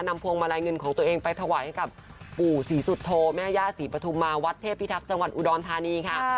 พวงมาลัยเงินของตัวเองไปถวายให้กับปู่ศรีสุโธแม่ย่าศรีปฐุมมาวัดเทพิทักษ์จังหวัดอุดรธานีค่ะ